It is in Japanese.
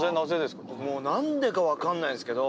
何でか分かんないですけど。